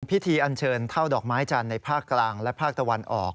อันเชิญเท่าดอกไม้จันทร์ในภาคกลางและภาคตะวันออก